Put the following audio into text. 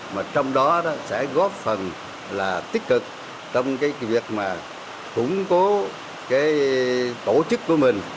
mà trong đó sẽ góp phần là tích cực trong cái việc mà củng cố cái tổ chức của mình